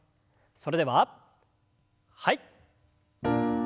それでははい。